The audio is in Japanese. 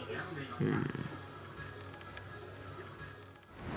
うん。